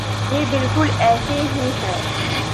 یہ بالکل ایسے ہی ہے۔